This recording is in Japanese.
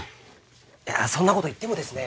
いやそんなこと言ってもですね。